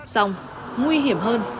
xong nguy hiểm hơn